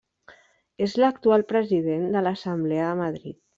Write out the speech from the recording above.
És l'actual president de l'Assemblea de Madrid.